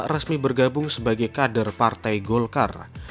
resmi bergabung sebagai kader partai golkar